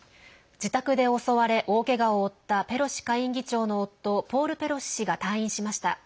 自宅で襲われ大けがを負ったペロシ下院議長の夫ポール・ペロシ氏が退院しました。